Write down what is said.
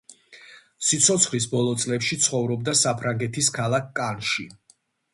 სიცოცხლის ბოლო წლებში ცხოვრობდა საფრანგეთის ქალაქ კანში.